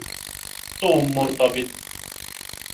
توم مرتبط.